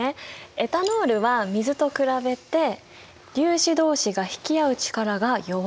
エタノールは水と比べて粒子どうしが引き合う力が弱いんだ。